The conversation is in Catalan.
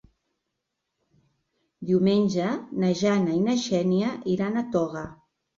Diumenge na Jana i na Xènia iran a Toga.